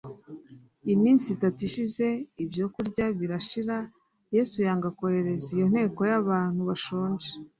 Iminsi itatu ishize, ibyo kurya birashira. Yesu yanga kohereza iyo nteko y'abantu bashonje;